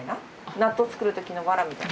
納豆作る時のわらみたいな？